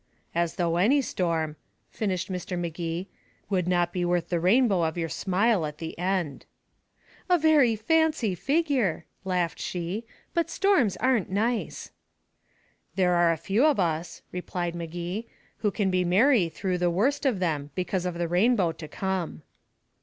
"As though any storm," finished Mr. Magee "would not be worth the rainbow of your smile at the end." "A very fancy figure," laughed she. "But storms aren't nice." "There are a few of us," replied Magee, "who can be merry through the worst of them because of the rainbow to come."